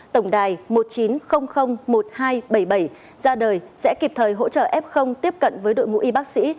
tổng đài một chín không không một hai bảy bảy ra đời sẽ kịp thời hỗ trợ f tiếp cận với đội ngũ y bác sĩ